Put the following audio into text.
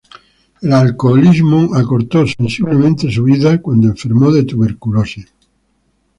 El alcoholismo acortó sensiblemente su vida cuando enfermó de tuberculosis.